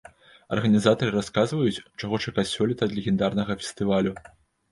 Арганізатары расказваюць, чаго чакаць сёлета ад легендарнага фестывалю.